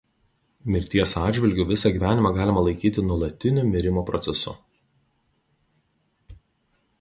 Mirties atžvilgiu visą gyvenimą galima laikyti nuolatiniu mirimo procesu.